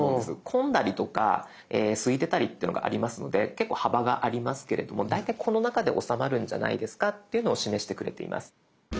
混んだりとかすいてたりっていうのがありますので結構幅がありますけれども大体この中で収まるんじゃないですかっていうのを示してくれています。